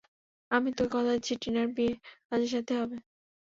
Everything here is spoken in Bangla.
আমি তোকে কথা দিচ্ছি, টিনার বিয়ে রাজের সাথেই হবে।